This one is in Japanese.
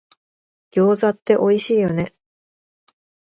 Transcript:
餃子っておいしいよね